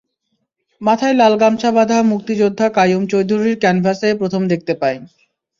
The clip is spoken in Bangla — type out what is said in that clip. মাথায় লাল গামছা বাঁধা মুক্তিযোদ্ধা কাইয়ুম চৌধুরীর ক্যানভাসেই প্রথম দেখতে পাই।